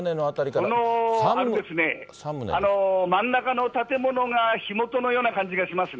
この真ん中の建物が火元のような感じがしますね。